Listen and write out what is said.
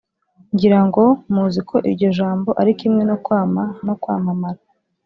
ngirango muzi ko iryo jambo ari kimwe no kwama, no kwamamara.